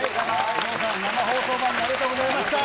有働さん、生放送前にありがとうございました。